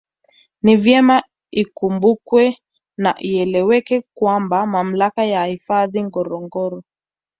Ni vyema ikumbukwe na ieleweke kwamba Mamlaka ya hifadhi Ngorongoro